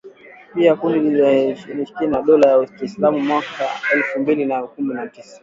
Pia kundi liliahidi ushirika na Dola ya kiislamu mwaka elfu mbili na kumi na tisa.